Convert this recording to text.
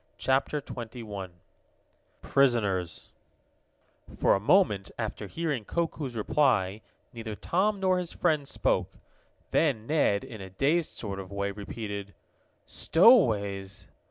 CHAPTER XXI PRISONERS For a moment, after hearing Koku's reply, neither Tom nor his friends spoke. Then Ned, in a dazed sort of way, repeated: "Stowaways!"